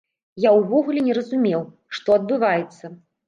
Я ўвогуле не разумеў, што адбываецца.